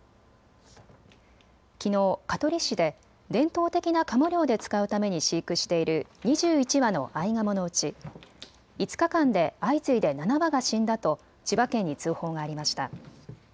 きのう香取市で伝統的なかも猟で使うために飼育している２１羽のあいがものうち５日間で相次いで７羽が死んだと千葉県に通報がありました。